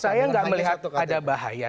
saya nggak melihat ada bahaya